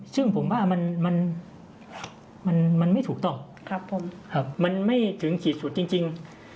ซึ่งผมว่ามันไม่ถูกต้องมันไม่ถึงขีดสุดจริง